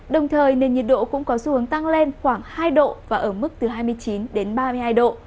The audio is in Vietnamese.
đồng thời nền nhiệt độ cũng có xu hướng tăng lên khoảng hai độ và ở mức từ hai mươi chín đến ba mươi hai độ